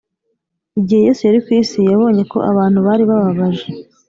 Igihe yesu yari ku isi yabonye ko abantu bari bababaje